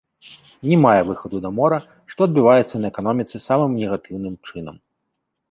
Не мае выхаду да мора, што адбіваецца на эканоміцы самым негатыўным чынам.